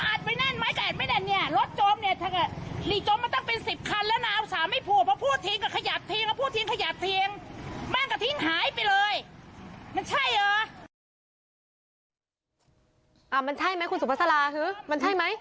มันใช่ไหมคุณสุภาษาคือมันใช่ไหม